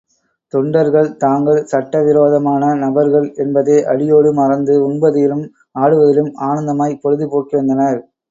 தொண்டர்கள் தாங்கள் சட்ட விரோதமான நபர்கள் என்பதை அடியோடு மறந்து உண்பதிலும், ஆடுவதிலும் ஆனந்தமாய்ப் பொழுது போக்கிவந்தனர்.